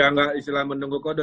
ya nggak istilah menunggu kode